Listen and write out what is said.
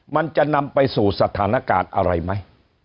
มันจะนำไปสู่สถานการณ์อะไรไหม